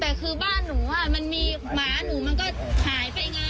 แต่คือบ้านหนูมันมีหมาหนูมันก็หายไปไง